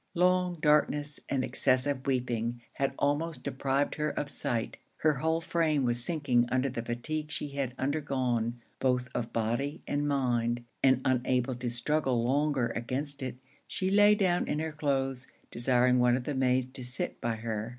Long darkness and excessive weeping had almost deprived her of sight; her whole frame was sinking under the fatigue she had undergone both of body and mind; and unable to struggle longer against it, she lay down in her cloaths, desiring one of the maids to sit by her.